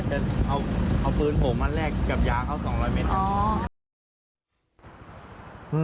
จะเอาปืนผมมาแลกกับยาเขา๒๐๐เมตร